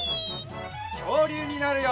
きょうりゅうになるよ！